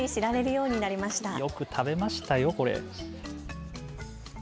よく食べましたよ、これ。